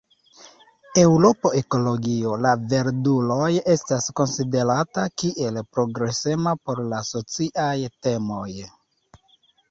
Eŭropo Ekologio La Verduloj estas konsiderata kiel progresema por la sociaj temoj.